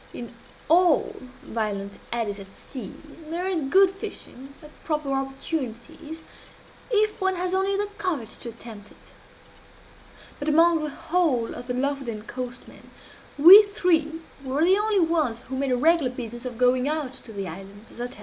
In all violent eddies at sea there is good fishing, at proper opportunities, if one has only the courage to attempt it; but among the whole of the Lofoden coastmen we three were the only ones who made a regular business of going out to the islands, as I tell you.